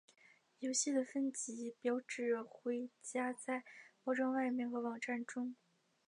游戏的分级标志会加在包装外面和网站中。